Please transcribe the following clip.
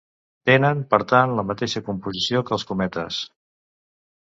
Tenen, per tant, la mateixa composició que els cometes.